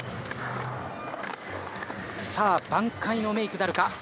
さあ挽回のメイクなるか。